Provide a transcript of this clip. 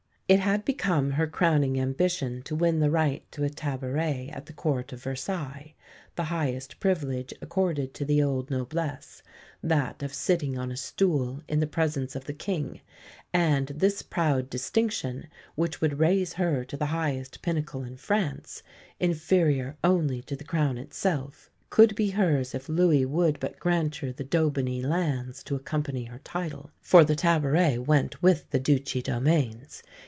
It had become her crowning ambition to win the right to a tabouret at the Court of Versailles the highest privilege accorded to the old noblesse, that of sitting on a stool in the presence of the King; and this proud distinction, which would raise her to the highest pinnacle in France, inferior only to the crown itself, could be hers if Louis would but grant her the d'Aubigny lands to accompany her title, for the tabouret went with the Duchy domains.